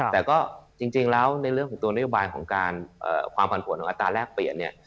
แต่ก็จริงแล้วในเรื่องของตัวนโยบายของการความผันผวนของอัตราแรกเปลี่ยนเนี่ย